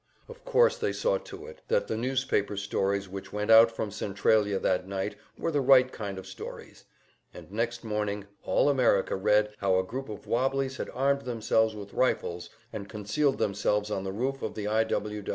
Of course they saw to it that the newspaper stories which went out from Centralia that night were the right kind of stories; and next morning all America read how a group of "wobblies" had armed themselves with rifles, and concealed themselves on the roof of the I.